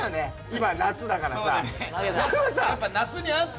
今夏だからさ。